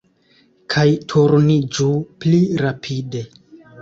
Kaj turniĝu pli rapide!